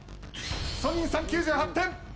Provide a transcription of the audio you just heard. ソニンさん９８点。